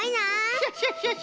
クシャシャシャ！